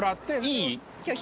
いい？